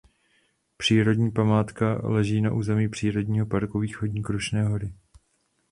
Přírodní památka leží na území přírodního parku Východní Krušné hory.